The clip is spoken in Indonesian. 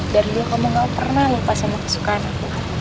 dari dulu kamu gak pernah lupa sama kesukaan aku